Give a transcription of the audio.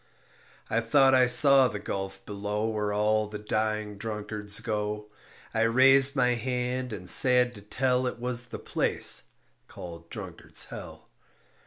I thought I saw the gulf below Where all the dying drunkards go. I raised my hand and sad to tell It was the place called Drunkard's Hell.